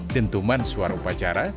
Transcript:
dentuman suara upacara